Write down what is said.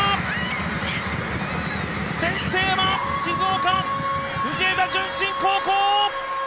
先制は静岡・藤枝順心高校。